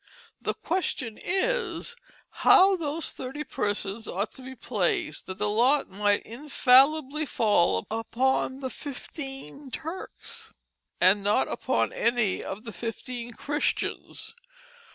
The question is, how those thirty persons ought to be placed, that the lot might infallibly fall upon the fifteen Turks & not upon any of the fifteen Christians?